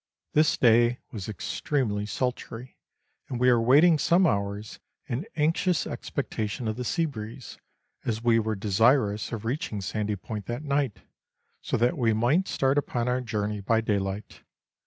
This day was extremely sultry, and we were wait ing some hours in anxious expectation of the sea breeze, as we were desirous of reaching Sandy Point that night, so that we might start upon our journey by daylight.